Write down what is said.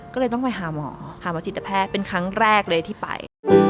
ก็เลยต้องไปหาหมอหาหมอจิตแพทย์เป็นครั้งแรกเลยที่ไป